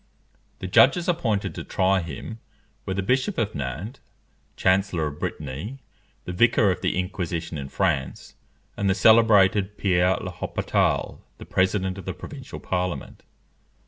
The judges appointed to try him were the Bishop of Nantes Chancellor of Brittany, the Vicar of the Inquisition in France, and the celebrated Pierre l'Hôpital, the President of the provincial Parliament.